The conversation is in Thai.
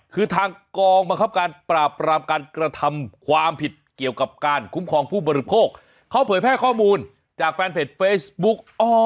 คือทางกองบังคับการปราบปรามการกระทำความผิดเกี่ยวกับการคุ้มครองผู้บริโภคเขาเผยแพร่ข้อมูลจากแฟนเพจเฟซบุ๊ก